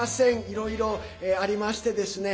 いろいろありましてですね